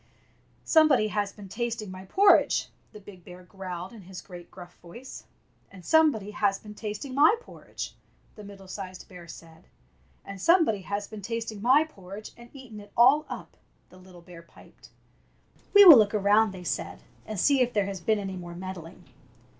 ''SOMEBODY HAS BEEN TASTING MY PORRIDGE!" the big bear growled in his great gruff voice. "And somebody has been tasting my porridge!" the middle sized bear said. And somebody has been tasting my por ridge and eaten it all the little bear piped. " We will look around," they said, "and see if there has been any more meddling."